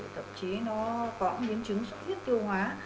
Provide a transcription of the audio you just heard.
thậm chí nó có biến chứng sụn hiếp tiêu hóa